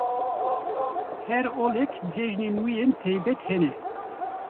Her olek cejinên wê yên taybet hene.